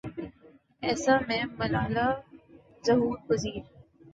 اَیسا میں ملالہ ظہور پزیر